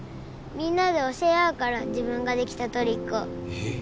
みんなで教え合うから自分ができたトリックをえっ！？